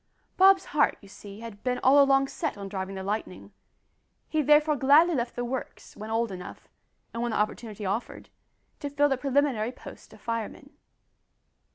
Bob's heart you see, had been all along set on driving the Lightning; he therefore gladly left the "Works" when old enough, and when the opportunity offered, to fill the preliminary post of fireman.